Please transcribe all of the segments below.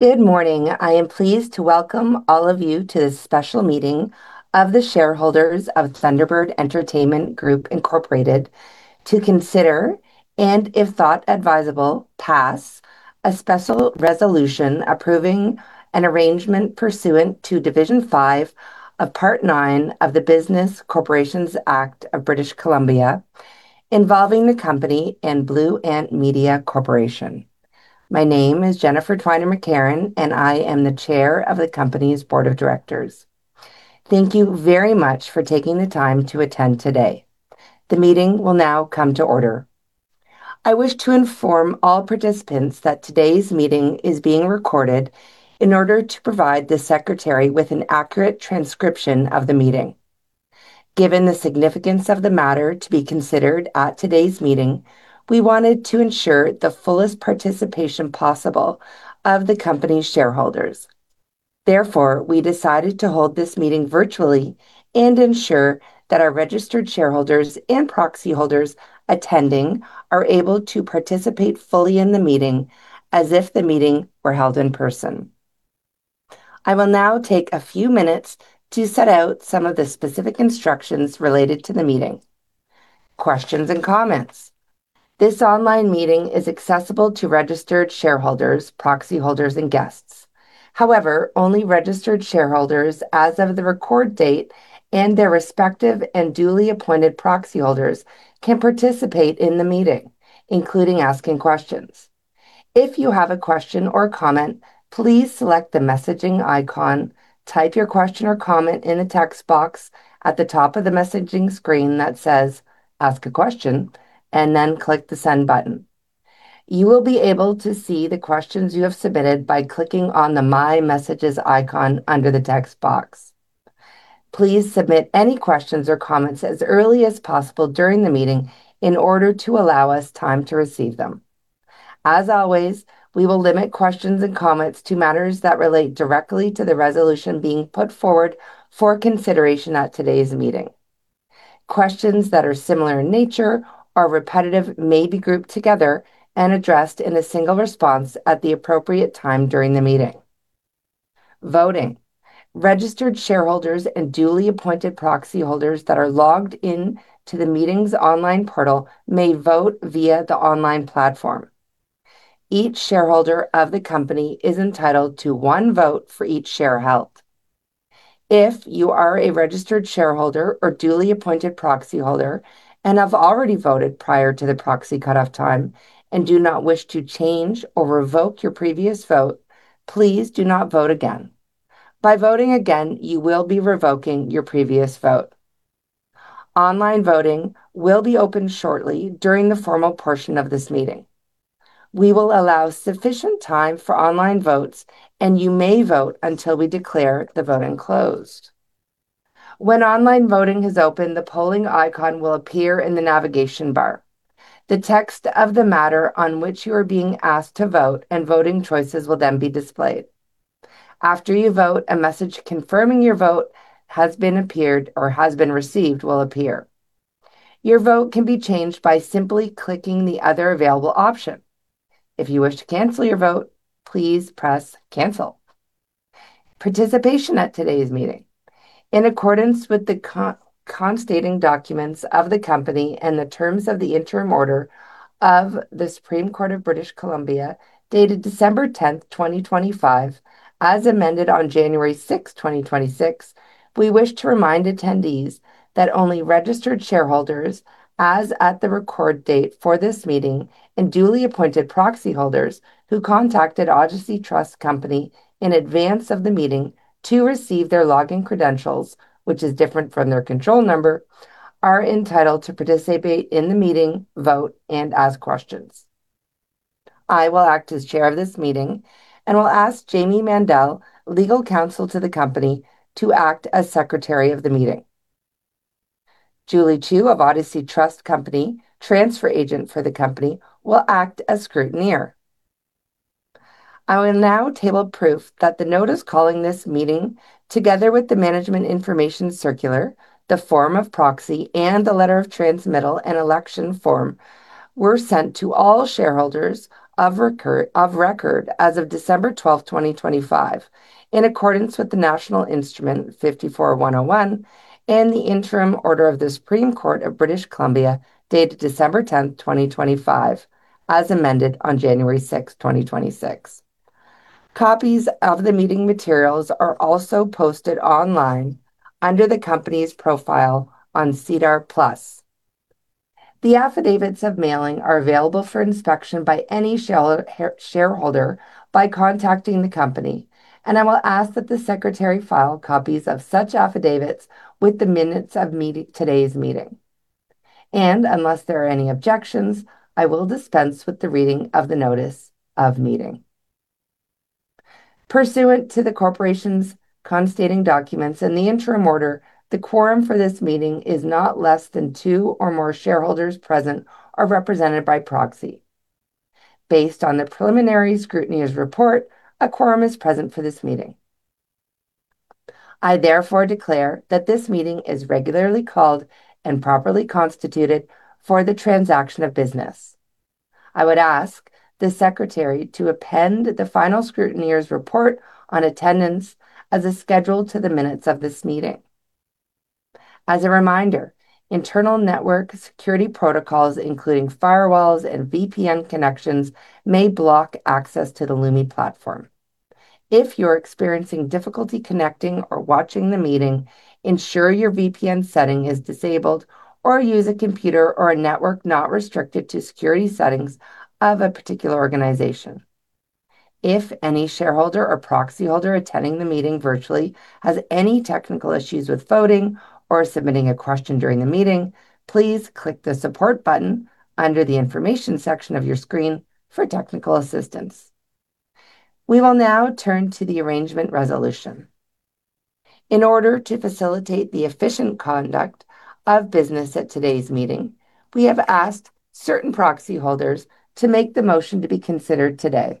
Good morning. I am pleased to welcome all of you to this special meeting of the shareholders of Thunderbird Entertainment Group Incorporated to consider, and if thought advisable, pass a special resolution approving an arrangement pursuant to Division 5 of Part 9 of the Business Corporations Act of British Columbia, involving the company and Blue Ant Media Corporation. My name is Jennifer Twiner McCarron, and I am the Chair of the company's board of directors. Thank you very much for taking the time to attend today. The meeting will now come to order. I wish to inform all participants that today's meeting is being recorded in order to provide the secretary with an accurate transcription of the meeting. Given the significance of the matter to be considered at today's meeting, we wanted to ensure the fullest participation possible of the company's shareholders. Therefore, we decided to hold this meeting virtually and ensure that our registered shareholders and proxy holders attending are able to participate fully in the meeting as if the meeting were held in person. I will now take a few minutes to set out some of the specific instructions related to the meeting. Questions and comments: This online meeting is accessible to registered shareholders, proxy holders, and guests. However, only registered shareholders as of the record date and their respective and duly appointed proxy holders can participate in the meeting, including asking questions. If you have a question or comment, please select the messaging icon, type your question or comment in the text box at the top of the messaging screen that says "Ask a Question," and then click the send button. You will be able to see the questions you have submitted by clicking on the "My Messages" icon under the text box. Please submit any questions or comments as early as possible during the meeting in order to allow us time to receive them. As always, we will limit questions and comments to matters that relate directly to the resolution being put forward for consideration at today's meeting. Questions that are similar in nature or repetitive may be grouped together and addressed in a single response at the appropriate time during the meeting. Voting: Registered shareholders and duly appointed proxy holders that are logged in to the meeting's online portal may vote via the online platform. Each shareholder of the company is entitled to one vote for each share held. If you are a registered shareholder or duly appointed proxy holder and have already voted prior to the proxy cutoff time and do not wish to change or revoke your previous vote, please do not vote again. By voting again, you will be revoking your previous vote. Online voting will be open shortly during the formal portion of this meeting. We will allow sufficient time for online votes, and you may vote until we declare the voting closed. When online voting has opened, the polling icon will appear in the navigation bar. The text of the matter on which you are being asked to vote and voting choices will then be displayed. After you vote, a message confirming your vote has been appeared or has been received will appear. Your vote can be changed by simply clicking the other available option. If you wish to cancel your vote, please press cancel. Participation at today's meeting: In accordance with the constating documents of the company and the terms of the interim order of the Supreme Court of British Columbia dated December 10th, 2025, as amended on January 6th, 2026, we wish to remind attendees that only registered shareholders, as at the record date for this meeting, and duly appointed proxy holders who contacted Odyssey Trust Company in advance of the meeting to receive their login credentials, which is different from their control number, are entitled to participate in the meeting, vote, and ask questions. I will act as Chair of this meeting and will ask Jamie Mandel, legal counsel to the company, to act as Secretary of the meeting. Julie Chu of Odyssey Trust Company, transfer agent for the company, will act as scrutineer. I will now table proof that the notice calling this meeting, together with the management information circular, the form of proxy, and the letter of transmittal and election form, were sent to all shareholders of record as of December 12th, 2025, in accordance with the National Instrument 54-101 and the interim order of the Supreme Court of British Columbia dated December 10th, 2025, as amended on January 6th, 2026. Copies of the meeting materials are also posted online under the company's profile on SEDAR+. The affidavits of mailing are available for inspection by any shareholder by contacting the company, and I will ask that the secretary file copies of such affidavits with the minutes of today's meeting, and unless there are any objections, I will dispense with the reading of the notice of meeting. Pursuant to the corporation's constating documents and the Interim Order, the quorum for this meeting is not less than two or more shareholders present or represented by proxy. Based on the preliminary scrutineer's report, a quorum is present for this meeting. I therefore declare that this meeting is regularly called and properly constituted for the transaction of business. I would ask the secretary to append the final scrutineer's report on attendance as scheduled to the minutes of this meeting. As a reminder, internal network security protocols, including firewalls and VPN connections, may block access to the Lumi platform. If you're experiencing difficulty connecting or watching the meeting, ensure your VPN setting is disabled or use a computer or a network not restricted to security settings of a particular organization. If any shareholder or proxy holder attending the meeting virtually has any technical issues with voting or submitting a question during the meeting, please click the support button under the information section of your screen for technical assistance. We will now turn to the arrangement resolution. In order to facilitate the efficient conduct of business at today's meeting, we have asked certain proxy holders to make the motion to be considered today.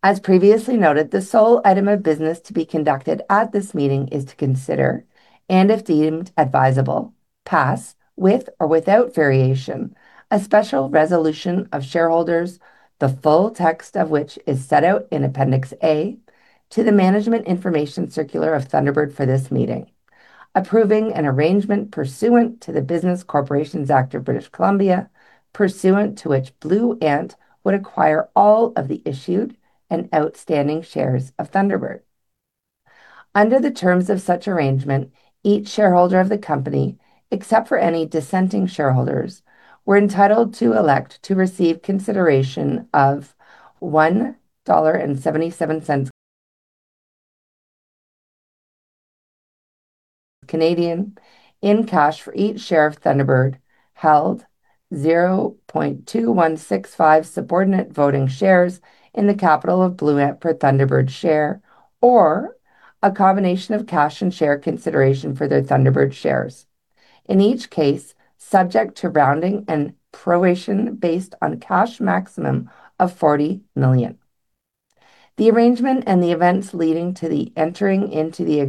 As previously noted, the sole item of business to be conducted at this meeting is to consider, and if deemed advisable, pass with or without variation a special resolution of shareholders, the full text of which is set out in Appendix A to the Management Information Circular of Thunderbird for this meeting, approving an arrangement pursuant to the Business Corporations Act of British Columbia, pursuant to which Blue Ant would acquire all of the issued and outstanding shares of Thunderbird. Under the terms of such arrangement, each shareholder of the company, except for any dissenting shareholders, were entitled to elect to receive consideration of 1.77 dollar in cash for each share of Thunderbird, held 0.2165 subordinate voting shares in the capital of Blue Ant per Thunderbird share, or a combination of cash and share consideration for their Thunderbird shares. In each case, subject to rounding and proration based on cash maximum of 40 million. The Arrangement and the events leading to the entering into the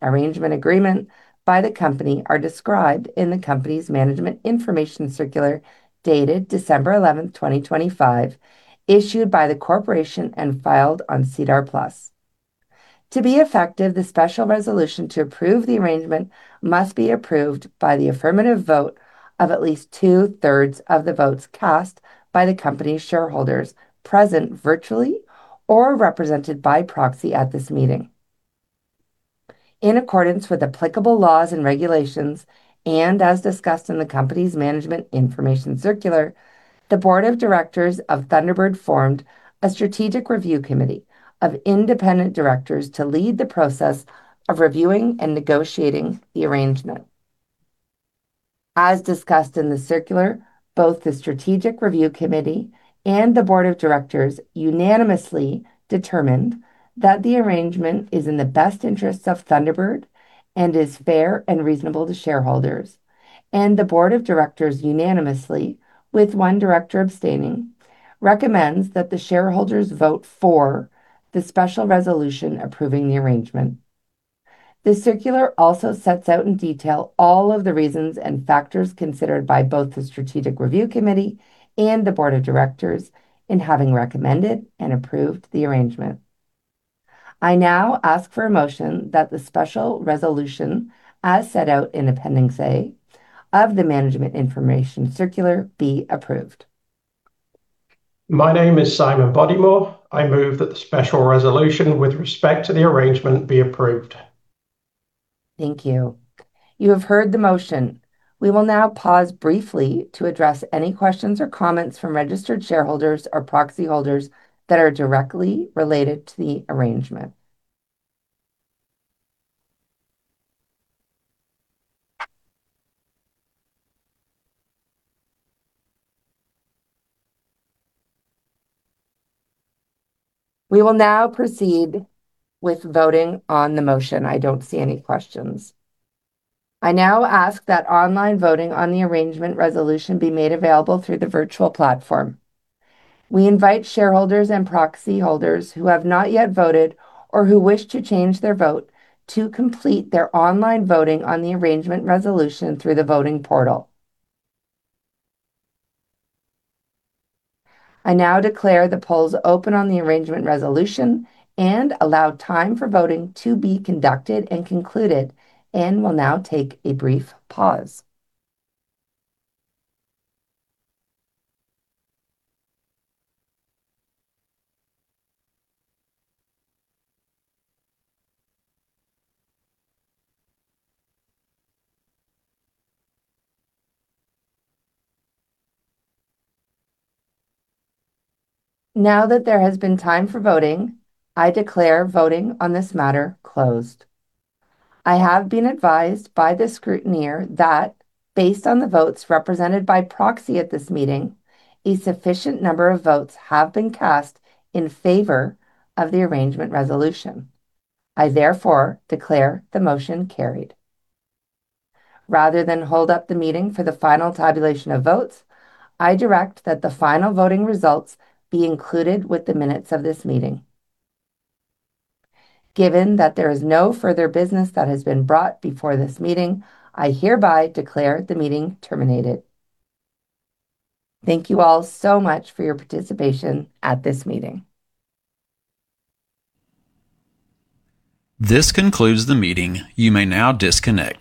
Arrangement agreement by the company are described in the company's Management Information Circular dated December 11th, 2025, issued by the corporation and filed on SEDAR+. To be effective, the Special Resolution to approve the Arrangement must be approved by the affirmative vote of at least two-thirds of the votes cast by the company's shareholders present virtually or represented by proxy at this meeting. In accordance with applicable laws and regulations, and as discussed in the company's Management Information Circular, the board of directors of Thunderbird formed a strategic review committee of independent directors to lead the process of reviewing and negotiating the arrangement. As discussed in the circular, both the strategic review committee and the board of directors unanimously determined that the arrangement is in the best interests of Thunderbird and is fair and reasonable to shareholders, and the board of directors unanimously, with one director abstaining, recommends that the shareholders vote for the special resolution approving the arrangement. The circular also sets out in detail all of the reasons and factors considered by both the strategic review committee and the board of directors in having recommended and approved the arrangement. I now ask for a motion that the special resolution, as set out in Appendix A, of the management information circular be approved. My name is Simon Bodymore. I move that the special resolution with respect to the arrangement be approved. Thank you. You have heard the motion. We will now pause briefly to address any questions or comments from registered shareholders or proxy holders that are directly related to the arrangement. We will now proceed with voting on the motion. I don't see any questions. I now ask that online voting on the arrangement resolution be made available through the virtual platform. We invite shareholders and proxy holders who have not yet voted or who wish to change their vote to complete their online voting on the arrangement resolution through the voting portal. I now declare the polls open on the arrangement resolution and allow time for voting to be conducted and concluded, and will now take a brief pause. Now that there has been time for voting, I declare voting on this matter closed. I have been advised by the scrutineer that, based on the votes represented by proxy at this meeting, a sufficient number of votes have been cast in favor of the arrangement resolution. I therefore declare the motion carried. Rather than hold up the meeting for the final tabulation of votes, I direct that the final voting results be included with the minutes of this meeting. Given that there is no further business that has been brought before this meeting, I hereby declare the meeting terminated. Thank you all so much for your participation at this meeting. This concludes the meeting. You may now disconnect.